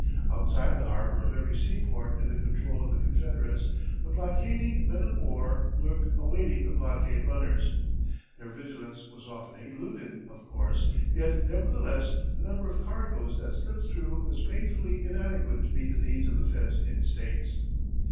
Outside the harbour of every seaport in the control of the Confederates the blockading men of war lurked awaiting the blockade runners. Their vigilance was often eluded, of course, yet nevertheless the number of cargoes that slipped through was painfully inadequate to meet the needs of the fenced in States.